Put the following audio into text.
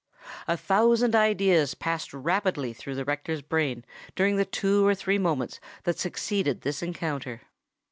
A thousand ideas passed rapidly through the rector's brain during the two or three moments that succeeded this encounter.